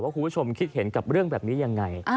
คุณผู้ชมคิดเห็นกับเรื่องแบบนี้ยังไง